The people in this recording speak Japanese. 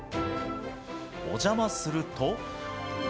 お邪魔すると。